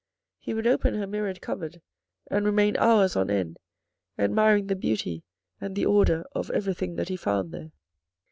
He would open her mirrored cupboard, and remain hours on end admiring the beauty and the order of everything that he found there.